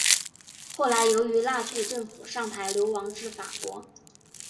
后来由于纳粹政府上台流亡至法国。